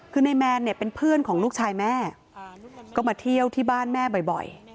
คือนายแมนเนี่ยเป็นเพื่อนของลูกชายแม่ก็มาเที่ยวที่บ้านแม่บ่อย